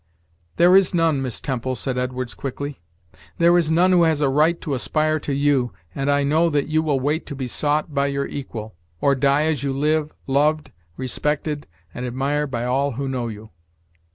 "There is none, Miss Temple," said Edwards quickly; "there is none who has a right to aspire to you, and I know that you will wait to be sought by your equal; or die, as you live, loved, respected, and admired by all who know you."